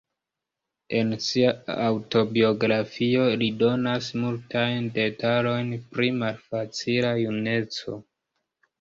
En sia aŭtobiografio, li donas multajn detalojn pri malfacila juneco.